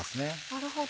なるほど。